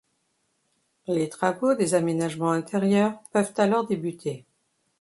Les travaux des aménagements intérieurs peuvent alors débuter.